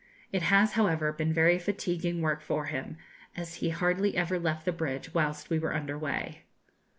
It has, however, been very fatiguing work for him, as he hardly ever left the bridge whilst we were under way.